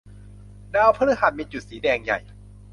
ดาวพฤหัสมีจุดสีแดงใหญ่